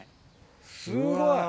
すごい！